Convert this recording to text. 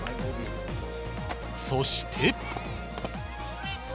そして。